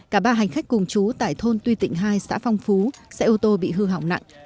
cả ba hành khách cùng chú tại thôn tuy tịnh hai xã phong phú xe ô tô bị hư hỏng nặng